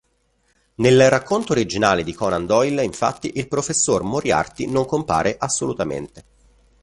Nel racconto originale di Conan Doyle, infatti, il professor Moriarty non compare assolutamente.